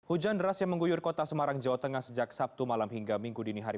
hujan deras yang mengguyur kota semarang jawa tengah sejak sabtu malam hingga minggu dini hari